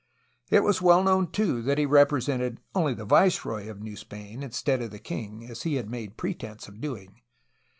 It was well known, too, that he represented only the viceroy of New Spain instead of the king, as he had made pretence of doing.